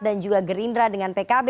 dan juga gerindra dengan pkb